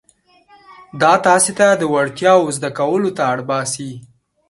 دا تاسې د وړتیاوو زده کولو ته اړ باسي.